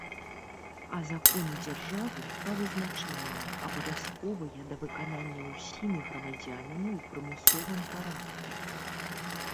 А законы дзяржавы, па вызначэнні, абавязковыя да выканання ўсімі грамадзянамі ў прымусовым парадку.